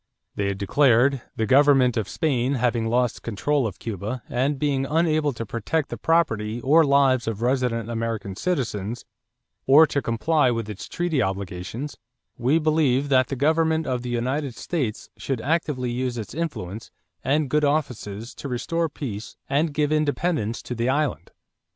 They had declared: "The government of Spain having lost control of Cuba and being unable to protect the property or lives of resident American citizens or to comply with its treaty obligations, we believe that the government of the United States should actively use its influence and good offices to restore peace and give independence to the island."